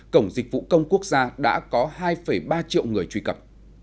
cổng dịch vụ công quốc gia đã có hai ba triệu người truy cập